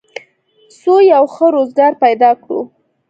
څو یو ښه روزګار پیدا کړو